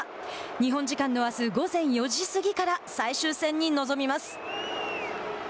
日本時間のあす午前４時過ぎから最終戦に臨みます。